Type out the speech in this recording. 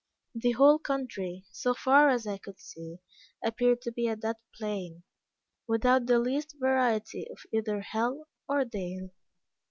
The whole country, so far as I could see, appeared to be a dead plain, without the least variety of either hill or dale.